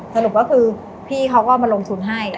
สรุปก็คือพี่เขาก็มาลงทุนให้